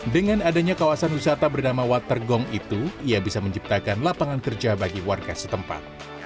dengan adanya kawasan wisata bernama water gong itu ia bisa menciptakan lapangan kerja bagi warga setempat